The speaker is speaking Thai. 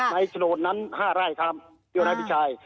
ในโฉนดนั้น๕ไร่ครับเดี๋ยวนายพี่ชาย